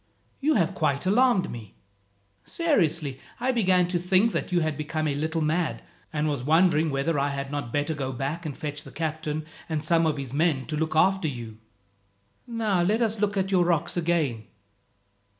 You have quite alarmed me. Seriously, I began to think that you had become a little mad, and was wondering whether I had not better go back and fetch the captain and some of his men to look after you. "Now let us look at your rocks again.